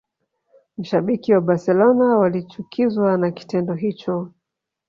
Mashabiki wa Barcelona walichukizwa na kitendo hicho